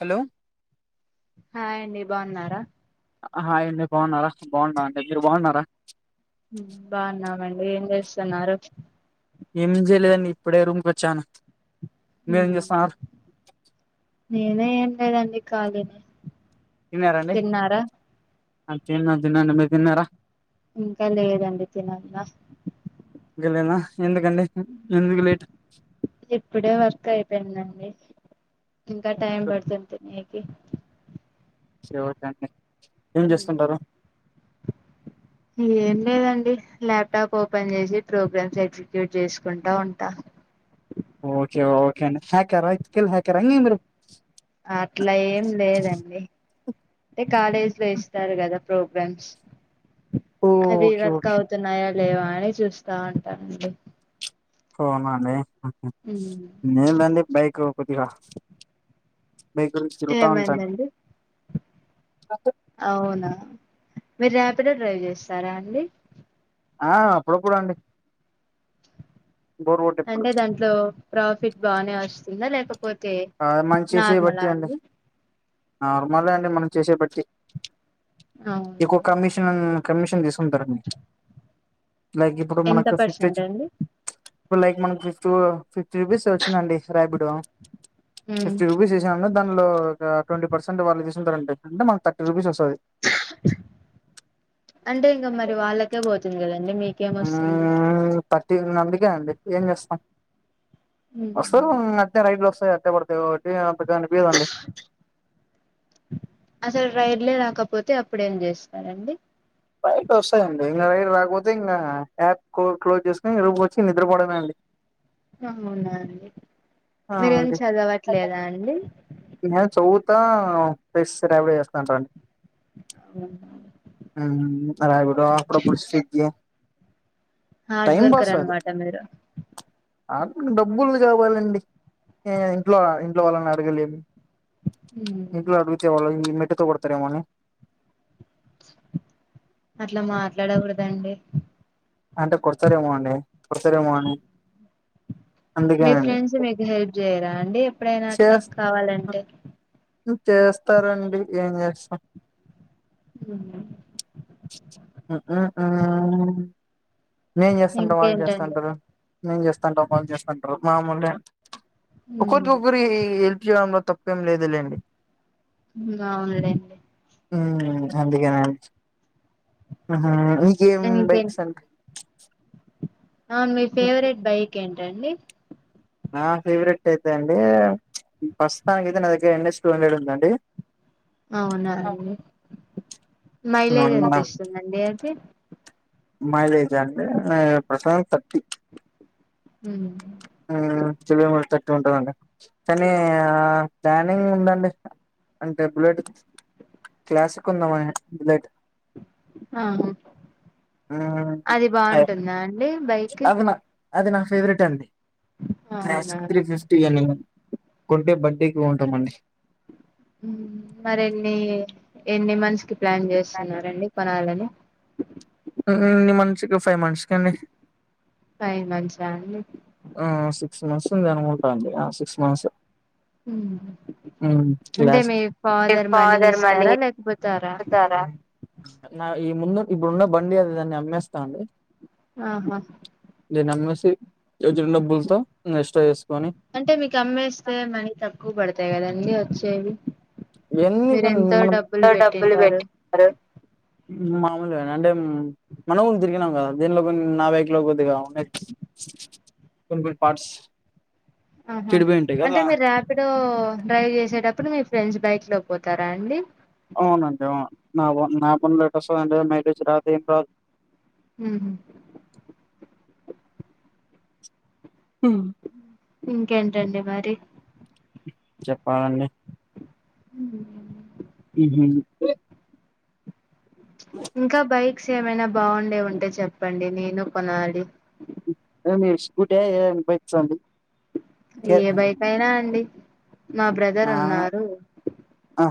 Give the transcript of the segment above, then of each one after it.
Hello hi అండి బాగున్నారా hi అండి బాగున్నారా బాగున్నా ఆంటీ మీరు బాగున్నారా హ్మ్ బాగున్నాం అం డి ఏం చేస్సున్నారు ఏమ్ జేయ్యలేదండి ఇప్పుడే రూమ్ కొచ్చాను నేనే లేదండి కాలినే తిన్నారండి తిన్నారా ఆ తిన్న తిన్నాను మీరు తిన్నారా ఇంకా లేదండి తినలి [unintelligible] ఎందుకండి ఎందుకు లేట్ ఇప్పుడే వర్క్ అయిపోయిందండి ఇంకా టైమ్ పడుతది [unintelligible] [unintelligible] ఏం చేస్తుంటరు ఏం లేదండి ల్యాప్టాప్ ఓపెన్ చేసి ప్రోగ్రామ్స్ ఎగ్జిక్యూట్ చేసుకుంటా ఉంటా ఓకే ఓకే అండి హ్యాకర్ అ ఎథికల్ హ్యాకర్ ఆ అండి మీరు అట్లా ఏం లేదండి అంటే కాలేజీ లో ఇస్తారు కదా ప్రోగ్రామ్స్ అవి ఓకే వర్క్ ఓకే అవుతున్నాయా లేవా అని చూస్తా ఉంటా అంతే పోనా [unintelligible] లేదండి బైకు కొద్దిగా [unintelligible] తిరుగుత ఉంట ఏమైందండి [unintelligible] అవునా మీరు రాపిడో డ్రైవ్ చేస్తారా అండి ఆ అప్పుడు అప్పుడు అండి బోర్ కొట్టేప్పుడు అంటే దాంట్లో ప్రాఫిట్ బాగనే వస్తుందా లేక అ మంచి చెయ్యి బట్టి అండి నార్మలే అండి మనం చేసే బట్టి ఎక్కువ అవునవును కమీషన్ కమిషన్ తీసు కుంటారు లైక్ ఇప్పుడు ఎంత మనకు ఫిఫ్టీ పర్సెంట్ అండి ఇప్పుడు లైక్ మనకి ఫిఫ్త్ ఫిఫ్టీ రూపీస్ వచ్చిందండి రాపిడో ఉమ్ ఫిఫ్టీ రూపీస్ [unintelligible] దానిలో ఒక ట్వంటీ పర్సెంట్ వాళ్లు చూసుకుంటారు అండి అంటే మనకి థర్టీ రూపిస్ వస్తుంది అంటే ఇంకా మరి వాళ్ళకే బో [unintelligible] అంటే మీకేం వస్తుంది థర్టీన్ మందికి హండ్రెడ్ ఏం చేస్తాం వస్తలు ఈమధ్య రైలో వస్ అట్టే పడుతాయ్ ఒకటి అంత అనిపియ్యదండి రెడ్ లే రాకపోతే అప్పుడేం చేస్తారండి రైడ్ వస్తాయండి ఇంకా రైడ్ రాకపోతే ఇంకా యాప్ క్లోజ్ చేసుకుని రూముకొచ్చి నిద్రపోడమే అండి అవునా అండి ఆ మీరేం అండి చదవట్లేదా అండి నేను చదువుతా ప్లస్ రైడ్ చేస్తారండి అవును అన్న అడయ్గూడ అప్పుడపుడు స్విగ్గి హార్డ్వర్కర్ అనమాట మీరు డబ్బులు కావాలండి ఇంట్లో ఇంట్లో వాళ్ళని అడగలేమ్ హ్మ్. ఇంట్లో అడుగుతే వాళ మెట్టతో కొడతారు ఏమో అని అట్లా మాట్లాడకూడదండి అంటే కోడతారెమో అండి కొడతారు ఏమో అని అందుకేండి ఇన్లేమ్ ఎప్పుడైనా అట్లా కావాలంటే చేస్తారండి ఏం చేస్తాం ఉమ్ ఆ నేన్ చేస్తంత వాళ్ళు ఇంకేంటండి చేస్తాంటారు నేం చేస్తాంట వాళ్ళు చేస్తంటారు మామూలే ఉమ్ ఒకరికి ఒకరి హెల్ప్ చేయ తప్పేం లేదులేండి అవునులేండి ఉ అందుకేన ఆహ మీక ఏం ఇంకేం బైక్స్ అంటే అవును మీ ఫేవరెట్ బైక్ ఏంటండి నా ఫేవరెట్ అయితే అండి ప్రస్తుతానికి అయితే నా దగ్గర యన్ ఎస్ టూ హండెడ్ ఉందండి అవునాండి మైలేజ్ ఎంత అవునా ఇస్తుందండి అది. మైలేజ్ అండి ప్రస్తుతానికి థర్టీ. ఉమ్ ఆ చెవతను ఉంటుందిండి కానీ ప్లానింగ్ ఆ ఉందండి అంటే బుల్లెట్ క్లాసిక్ కొందమ బుల్లెట్ ఆహ అది బాగుంటుందా అండి. బైక్ అది నా అది నా ఫేవరెట్ అండి అవునా క్రాస్కి త్రీ ఫిఫ్టీని కొంటే బర్త్డేకి కొంటామండి. మరి అండి. ఎన్ని మంత్స్ ప్లాన్ చేస్తున్నారండి. కొనాలని. ఉమ్ ఎన్ని మంత్స్ కి, ఫైవ్ మంత్స్ కి అండి. ఫైవ్ మంత్స్ ఆ అండి. ఆ సిక్స్ మంత్స్ ఉంది అనుకుంటాండి సిక్స్ మంత్స్. ఉమ్ అంటే మీ క్లాస్కి ఫాదర్ మనీ ఇస్తారా లేకపోతారా అడుగుతారా. ఈ ముందు ఇప్పుడున్న బండి అది దాన్ని అమ్మేస్తా అండి. ఆహా దీని అమ్మేసి. వచ్చిన డబ్బులతో, ఎక్స్ట్రా చేసుకొని అంటే మీకు అమ్మేస్తే మనీ తక్కువ పడుత అంతే కదండి వచ్చేవి. ఎన్ని మనం ఎంతో డబ్బులు పెట్టింటారు. మామూలేనండి అంటే మనం తిరిగినాము కదా దీనిలో కొన్ని నా బైకులో కొద్దిగా ఉండయి కొన్ని కొన్ని పార్ట్స్. ఆహా చెడిపోయి ఉంటాయి అంటే కదా మీరు ర్యాపిడో డ్రైవ్ చేసేటప్పుడు మీ ఫ్రెండ్స్ బైక్ లో పోతారా అండి. అవునండి అవును నా బుల్లెట్ వస్తదండి. మైలేజ్ రాదు ఏం రాదు. ఉం ఆ ఇంకేంటండి మరి. చెప్పాలండి. ఉమ్ ఉహు ఇంకా బయట బైక్స్ ఏమైనా బాగుండే ఉంటే చెప్పండి నేను కొనాలి. మీ స్కూటీ ఏదైనా బైక్స్ అండి. ఏ బైకయినా అండి నా బ్రదర్ ఉన్నారు ఆ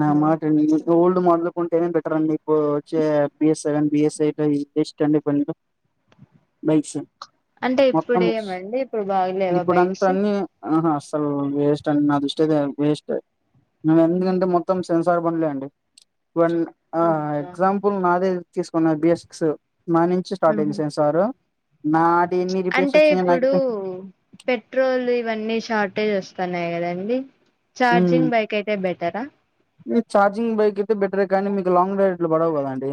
నా మాట [unintelligible] కొత్త మోడల్ కొంటేనే బెటర్ అండి ఇప్పుడు వచ్చే BS seven BS eight best అండి బండిలో బైక్స్. అంటే మొత్తం ఇప్పుడేమండి ఇప్పుడు బాగలేవా బైక్స్. ఆహ అస్సలు వేస్ట్ అండి నాదుస్టిలో అయితే వేస్ట్ నువ్ ఎందుకం సెన్సార్ బండ్లే అండి. వన్ ఆ ఆహా ఎగ్జాంపుల్ నాదే తీసుకున్న [unintelligible] స్టార్ట్ ఉహు అయింది సెన్సార్ నాటి ఎన్ని రిపేర్స్ అంటే వచ్చినాయో ఇప్పుడు నాకైతే పెట్రోల్ ఇవన్నీ షార్టేజ్ వస్ వత్తన్నాయి కదండి. చార్జింగ్ బైక్ అయితే బెటరా. మీ ఛార్జింగ్ బైక్ అయితే బెటరే కానీ మీకు లాంగ్ డ్రైవ్ ఇట్లా పడవు కదండీ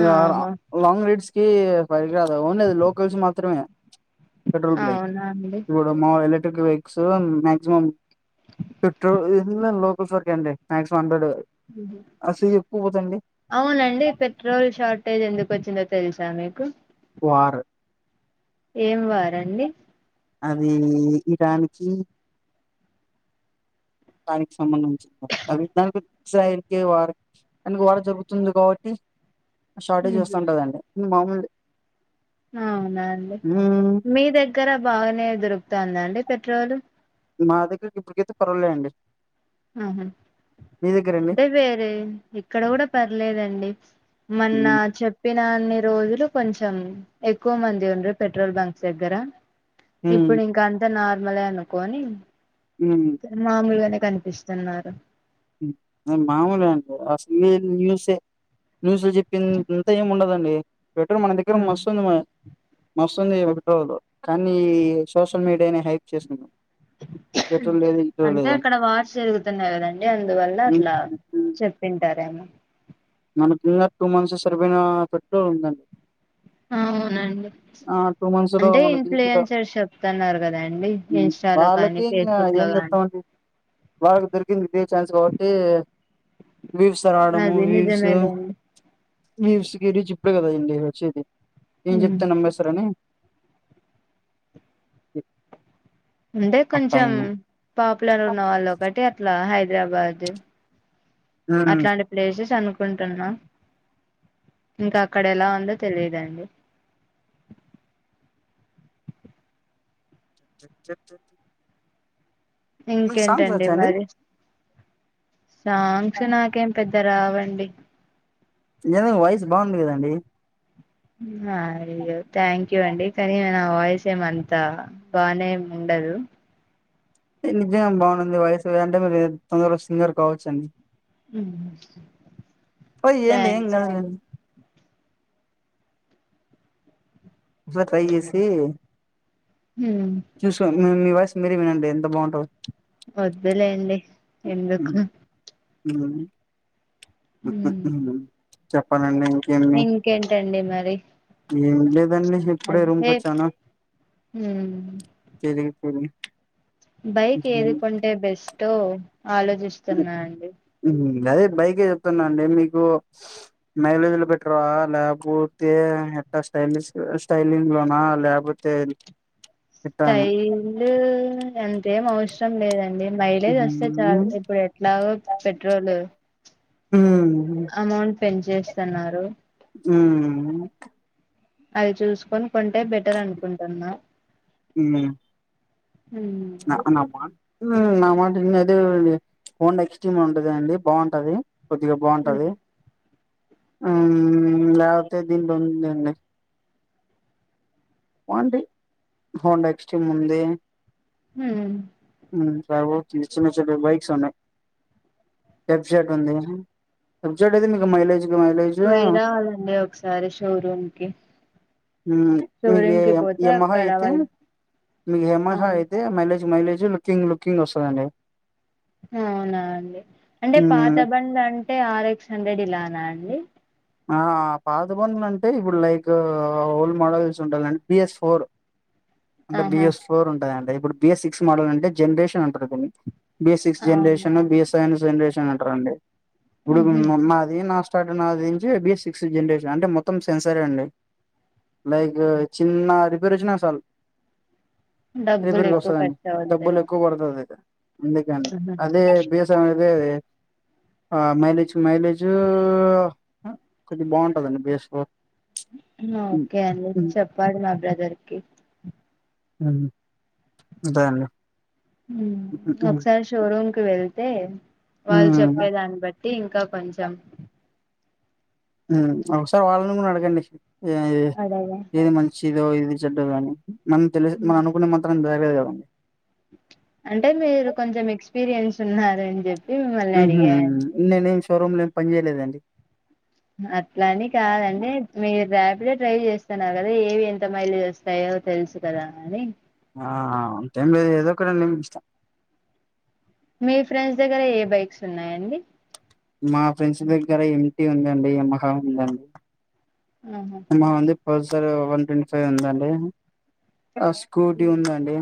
ఇగ ఆహా లాంగ్ రైడ్స్. కి పనికిరాదు ఓన్లీ ఆది లోకల్స్ మాత్రమే. పెట్రోల్ బ్లైక్ అవునా అండి ఇప్పుడు మా ఎలక్ట్రక్ వెక్. క్సిమం మక్సిమమ్. పెట్రో ఏది ఉన్న లోకల్స్ సరికే అండి మాక్సిమం హండ్రెడ్. ఉంహు అసలు ఎక్కువ పోతాయండి అవునండి పెట్రోల్ షార్టేజ్ ఎందుకు వచ్చిందో తెల్సా మీకు. వార్ ఏం వారండి. అది ఇరాన్ కి. దానికి సంబంధించి అది దానికి [unintelligible] జరిపే వారు అందుకే వారు జరుగుతుంది కాబట్టి. షార్టేజ్ వస్తుంటదండి మామూలే అవునా అండి మీ దగ్గర బాగానే దొరుకుతాందా అండి పెట్రోలు. మా దగ్గరకి ఇప్పుటికైతే పరవలే అండి. ఆహ మీ దగ్గరండి అంటే వేరే ఇక్కడ కూడా పర్లేదండి మొన్న మ్మ్ చెప్పిన అన్ని రోజు కొంచెం ఎక్కువ మంది ఉండ్రి పెట్రోల్ బంక్స్ దగ్గర. మ్మ్ ఇప్పుడు ఇంకా అంత నా. ర్మల్ అనుకొని మ్మ్ మాములుగానే కనిపిస్ తున్నారుా హు అదే మామూలుగు అనుకో ఇంగు ఇంగ్లీషే న్యూస్ లో చెప్పిన్ అంత ఏమ్ ఉండదండి పెట్రోల్ మనదగ్గర మస్తూ ఉంద్ మరి వస్తుంది పెట్రోలు కానీ సోషల్ మీడియానే హైప్ చేసింది పెట్రోల్ లేదు గిట్రోల్ అంటే లేదని అక్కడ వార్స్ జరుగుతున్నాయి కదండ్ లే అందువల్ల అట్లా చెప్పింటారు త్యమో మనకిి ఈయర్ టూ మంత్స్ సరిపోయిన పెట్రోల్ ఉందండి అవునండి ఆ టూ మంత్స్ లో అంటే మనకి ఈజీగా ఇన్ఫ్లుయెన్సెస్ చెప్తున్నారు కదండి ఉమ్, ఇన్స్టాలో కానీ వాళ్ళకి ఇంకా ఫేస్బుక్ ఏం లో కానీ చెప్తామండి వాళ్ళకి దొరికింది ఇదే ఛాన్స్ కాబట్టి వ్యూస్ రావాదము అది వ్యూస్ తో నిజమేలేండి వ్యూస్ కి రిచ్ ఇప్పుడే కద ఇంగ వచ్చేది చ్చది ఏం ఉమ్. చెపుతే నమ్మేస్తరని అ [unintelligible] ఉంటే కొంచెం పాపులర్ ఉన్నవాళ్ళు ఒకటి అట్లా హైప్ హైదరాబాద్ ఉమ్ అట్లాంటి ప్లేసెస్ అను కుంటున్నా ఇంకా అక్కడ ఎలా ఉందో తెలియదండి [unintelligible] మీకు సాంగ్స్ ఇంకేంటండి వచ్చాండి మరి సాంగ్స్ నాకేం పెద్ ఇంక రావండి వాయిస్ బాగుంది కదండి ఇగ థ్యాంక్ యూ అండి కానీ నా వాయిస్ ఏమంతా బానే ఉండదు నిజంగా బాగుంది వయసు అంటే మీరు తొందరలో సింగర్ కావచ్చుండి ట్రై చేయండి ఏం థ్యాంక్స్ కాదులేండి ఎక్కువ ట్రై చేసి హ్మ్ చూ స [unintelligible] నీ వాస్ మీరే వినండీ ఎంత బాగుంటో వద్దులేండి ఎందుకు అ హ్మ్ హ్మ్ హ్మ్ చెప్పానండి ఇంకేంటండి మరి ఏం లేదు అన్నిే ఇప్పుడే రూమ్కి అదే వచ్చాను హ్మ్ ఏది సవు బైక్ ఏదికంటే బెస్ట్ ఆలోచిస్తున్నా అండి అదే బైకే చెప్తున్నా అండి మీకు మైలేజ్ లో పెట్ట్రా లేకపోతే ఎట్లా స్టైలిష్ స్టైలింగ్ లోనా లేకపోతే ఎట్టా అని స్టైల్ అంతేం అవసరం లేదండి మైలేజ్ వస్తే చాల ఉమ్ ఇప్పుడు ఎట్లాగో పెట్రోల్ మ్మ్ అమౌంట్ ఏం చేస్తున్నారు మ్మ్ అది చూస్కని ఆంటే బెటర్ అనుకుంటున్నా ఉమ్ నా నా మాట నా మాటద హఓన్డ్ ఎక్స్టం ఉంటదండి బాగుంటది కొద్దిగా బాగుంటది ఆ లేకతే దీంట్లో ఉందండి డి హోన్ ఎక్స్ట ఉంది మ్మ్ చిన్న చి బైక్స్ ఉన్నాయి ఫ్జెడ్ ఉండేది ఫ్జెడ్ అయితే మీ మైలేజ్ మైలేజ్ పోయి రావాలండి ఒకసారి షోరూమ్ కి మ్మ్ మీ షోరూమ్ కి పోతే యమహా అక్కడ అయితే వాళ్ళు మీ ఆ యమహా అయితే మళ మైలేజ్ లుకింగ్ లుకింగ్ వస్తుందండి అవునా అండి అంటే పాత బం అంటే ఆర్ ఎక్స్ హండ్రెడ్ ఇలానా అండి ఆ పాతబనులు అంటే ఇప్పుడు లైక్ ఓల్డ్ మోడల్స్ సండాలండ్ బిఎస్ ఫోర్ అంటే ఆహా బిఎస్ ఫోర్ ఉంటదండి ఇప్పుడు బిఎస్ సిక్స్ మడల్ అంటే జనరేషన్ ఉంటది కూని బీ సిక్స్ అవును జనరేషన్ బిస్ సైవన్స్ ప్రజెంటేషన్ అంట రండి ఉడుకు ఉహు ఉమ్మదిే నాష్ట స్టార్ బి సిక్స్త్ జనరేషన్ అంటే మొత్తం సెన్సరే అండి లైక్ చిన్నా రిపేరు వచ్చిన సాలు డబ్బులు రేపేర్కి ఎక్కువ వస్తుందండి ఖర్చు అవుతాయి డబ్బులు ఎక్కువ పడుతాది అయితే ఎందుక ఆహా! అదే బేస అదే అదే ఆ మైలేజ్ మైలేజ్ కొది బాగుంటదండి బేస్ లో ఓకే చెప్పా డు మా బ్రదర్కి ఉంటానండి ఒకసారి షోరూమ్ కి వెళ్తు తే వాళ్ళు చెప్పేదాన్ని బట్టి అ ఇంకా కొంచెం ఒకసారి వాళ్ళను కూడా అడగండి అడగా ఏది మంచి ఇదో ఇది చెడ్డ కాని మనం తెలి మన అనుకునే మాత్రం బేగే [unintelligible] అంటే మీరు కొంచెం ఎక్స్పీరియన్స్ ఉన్నారు అని చెప్పి మిమ్మల్ని ఉహూ అడిగానండి నేనేం షోరూమ్లో పని చేయలేదండి అట్లాని కాదండి మీరు రాపిడో ట్రై చేస్తున్నా కదా ఏవి ఎంత మైలేజ్ వస్తాయో తెలుసు కదా అని ఆ టైం లేదు ఏదో ఒక ఇష్టం మీ ఫ్రెండ్స్ దగ్గర ఏ బైక్స్ ఉన్నాయండి మా ఫ్రెండ్స్ దగ్గర ఏంటి ఉందండి ఏ మహా ఉందండి ఆహా అమ్మ అంది హో సార్ వన్ ట్వంటీ ఫైవ్ ఉందండి ఆ స్కూటీ ఉందండి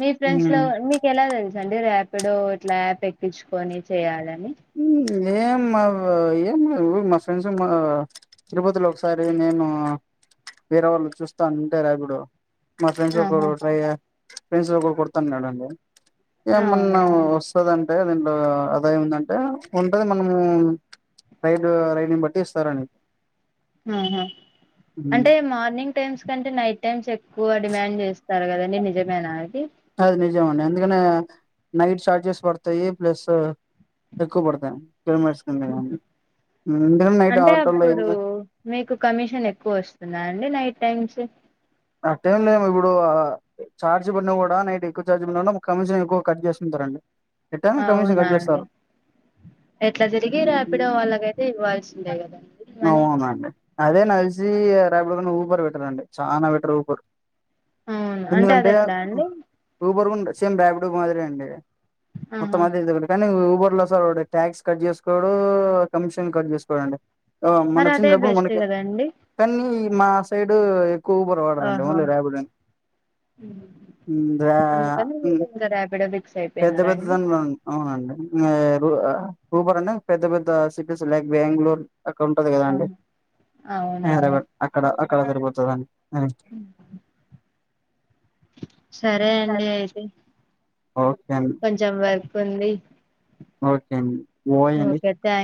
మీ ఫ్రెండ్స్ లో మీకు ఎలా తెలుసు అండి రాపిడో ఇట్లా యాప్ ఎక్కించుకొని చేయాలని ఏం మా ఏం మా ఫ్రెండ్స్ మా తిరుపతిలో ఒకసారి నేను వేరే వాళ్ళు చూస్తాను ఉంటేర ఇపుడు మా ఫ్రెండ్స్ ఆహా ఒకరూ త్రైయా ఫ్రెండ్స్ ఒకడు కొడుతున్నాడండి. అవునా ఎమన్నా వస్తదని తె రెండో ఆదాయం అంటె ఉం ఉంటది మనమూ రైడ్ రైడ్ని బట్టి ఇస్తారని ఆహా హ్మ్. అంటే మార్నింగ్ టైమ్స్ కంటే నైట్ టైమ్స్ ఎ ఎక్కువ డిమాండ్ చేస్తారు గదండి నిజమేనా అది అది నిజమండి అందుకనే నైట్ చార్జెస్ పడతయి ప్లెస్ కానీ ఎందుకంటే నైట్ అంటే ఆటోల్లో అప్పుడూ అయింది మీకు కమీషన్ ఎక్కువ వస్తుందా అండి నైట్ టైమ్ కి ఆ టైమ్ లో ఇప్పుడూ ఆ ఛార్జ్ పెట్టుకున్న గుడా నైట్ ఎక్కువ చార్జ్ పెట్టినపుడు కమిషన్ ఎక్కువ కట్ జేసుకుంటరండి. అవునా అండి ఎట్ల దిరిగి రాపిడో వాళ్ళకైతే ఇవ్వాల్సిందే గదండి మనీ ఈ ర్యాపిడో కంటె ఊబర్ బెటరండి చానా రూబర్ అవును అంటే అది ఎందుకంటే ఎట్లా అండి రూబర్గుంటె చ్చం ర్యాపిడో మాదిరి అండీ మొత్తం ఆహా విధంగ కనూ సూపర్ స్టోర్లొ ట్యాక్స్ కట్ చేస్తడూ కమిషన్ కట్ చేస్తడండి. ఆ మరి అదే మొన్నచ్చినప్పుడు బెస్ట్ మనకి కదండి తన్నీ మా సైడూ ఎక్కు ఆహ ఊహ్ రా అందుకనీ ఇది అఫిడవిట్ పెద్ద పెద్ద దానిలోన్ అవునండి మె ఏ సూ ఆ సూపర్ అండి పెద్ద పెద్ద సిటీస్ లైక్ బేంగ్ ళూర్. అక్కడ ఉంటది గదా అండి ఆహా అవునండి అరవక్ అక్కడ అక్ కర్ర ఇరిగి పోతదని అరే సరే అండి అయితె. ఓకె అండి. పండీ ఓకె అండి. ఓయ్ అండి ఓకే థ్యాంక్స్.